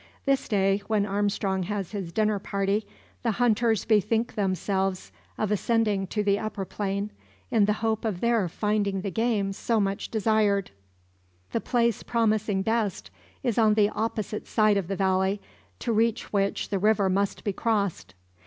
This day, when Armstrong has his dinner party, the hunters bethink themselves of ascending to the upper plain, in the hope of there finding the game so much desired. The place promising best is on the opposite side of the valley, to reach which the river must be crossed.